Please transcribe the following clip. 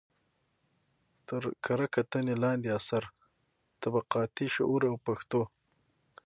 تر کره کتنې لاندې اثر: طبقاتي شعور او پښتو